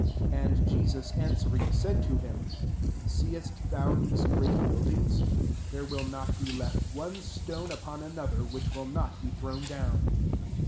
2 And Jesus answering, said to him, << Seest thou these great build ing^ ? there will not be left one stone upon another, which will not be thrown down."